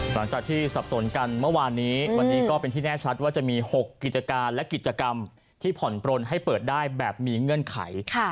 หลังจากที่สับสนกันเมื่อวานนี้วันนี้ก็เป็นที่แน่ชัดว่าจะมี๖กิจการและกิจกรรมที่ผ่อนปลนให้เปิดได้แบบมีเงื่อนไข